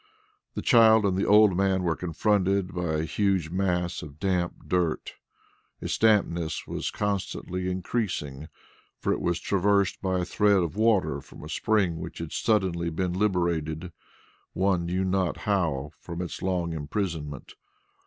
The child and the old man were confronted by a huge mass of damp earth. Its dampness was constantly increasing, for it was traversed by a thread of water from a spring which had suddenly been liberated, one knew not how, from its long imprisonment.